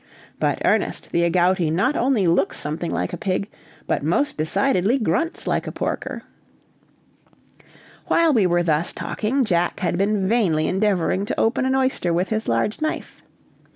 But, Ernest, the agouti not only looks something like a pig, but most decidedly grunts like a porker." While we were thus talking, Jack had been vainly endeavoring to open an oyster with his large knife.